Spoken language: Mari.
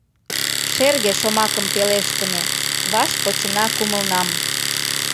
Шерге шомакым пелештыме, Ваш почына кумылнам.